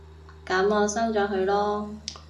噉我收咗佢囉